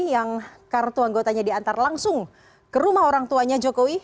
yang kartu anggotanya diantar langsung ke rumah orang tuanya jokowi